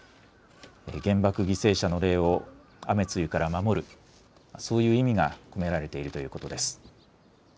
原爆犠牲者の霊を雨露から守るそういう意味が込められているということです。